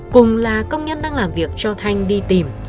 cùng là công nhân đang làm việc cho thanh đi tìm